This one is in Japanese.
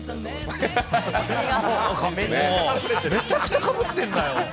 めちゃくちゃかぶってるんだよ。